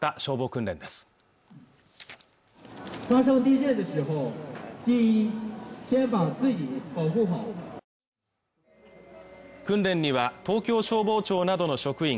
訓練には東京消防庁などの職員